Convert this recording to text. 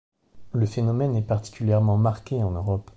Le phénomène est particulièrement marqué en Europe.